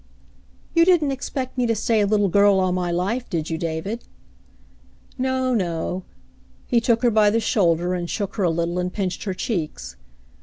"You didn't expect me to stay a little girl all my life, did you, David ?" "No, no." He took her by the shoulder and shook her a little and pinched her cheeks.